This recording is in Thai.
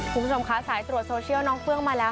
คุณผู้ชมคะสายตรวจโซเชียลน้องเฟื้องมาแล้ว